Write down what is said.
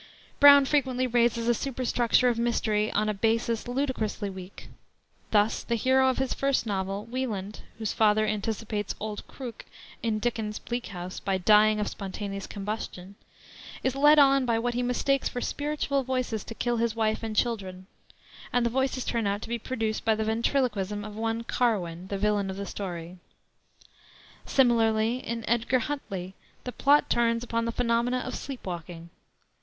Brown frequently raises a superstructure of mystery on a basis ludicrously weak. Thus the hero of his first novel, Wieland (whose father anticipates "Old Krook," in Dickens's Bleak House, by dying of spontaneous combustion), is led on by what he mistakes for spiritual voices to kill his wife and children; and the voices turn out to be produced by the ventriloquism of one Carwin, the villain of the story. Similarly in Edgar Huntley, the plot turns upon the phenomena of sleep walking.